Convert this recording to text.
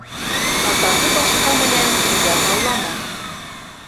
Атаһы башҡа менән ҡуян аулама.